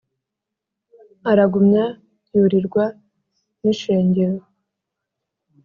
aragumya yurirwa n' ishengero